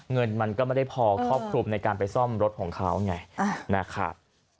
เงินมันก็ไม่ได้พอครอบครุมในการไปซ่อมรถของเขา